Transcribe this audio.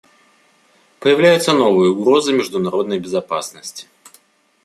Появляются новые угрозы международной безопасности.